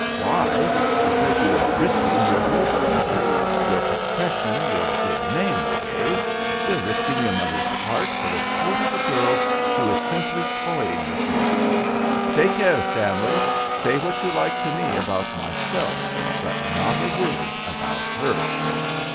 "Why? Because you are risking your whole future, your profession, your good name, McKay. You're risking your mother's heart for the sport of a girl who is simply toying with you " "Take care, Stanley. Say what you like to me about myself, but not a word about her."